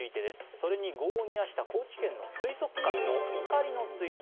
それに業を煮やした高知県の怒りのツイート